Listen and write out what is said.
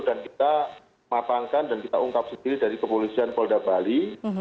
dan kita matangkan dan kita ungkap sendiri dari kepolisian polda bali